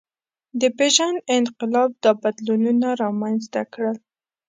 د پېژند انقلاب دا بدلونونه رامنځ ته کړل.